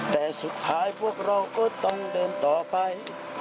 แต่สุดท้ายพวกเราก็ต้องเดินต่อไป